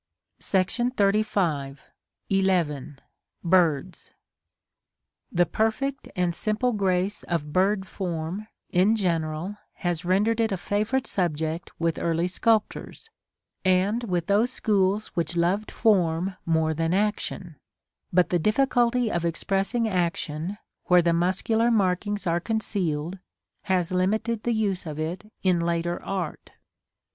§ XXXV. 11. Birds. The perfect and simple grace of bird form, in general, has rendered it a favorite subject with early sculptors, and with those schools which loved form more than action; but the difficulty of expressing action, where the muscular markings are concealed, has limited the use of it in later art.